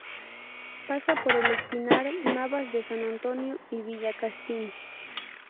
Pasa por El Espinar, Navas de San Antonio y Villacastín.